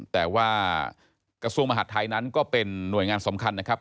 แต่ว่ากระทรวงมหาดไทยนั้นก็เป็นหน่วยงานสำคัญนะครับ